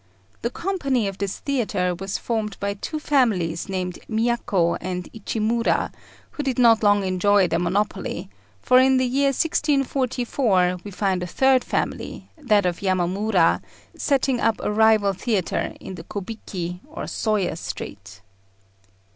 The company of this theatre was formed by two families named Miako and Ichimura, who did not long enjoy their monopoly, for in the year 1644 we find a third family, that of Yamamura, setting up a rival theatre in the Kobiki, or Sawyer Street.